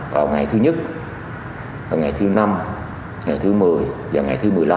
đó là ngày thứ nhất ngày thứ năm ngày thứ một mươi và ngày thứ một mươi năm